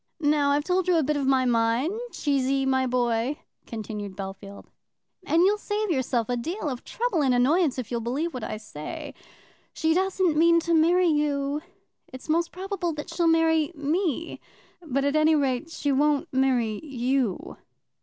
"Now I've told you a bit of my mind, Cheesy, my boy," continued Bellfield, "and you'll save yourself a deal of trouble and annoyance if you'll believe what I say. She doesn't mean to marry you. It's most probable that she'll marry me; but, at any rate, she won't marry you."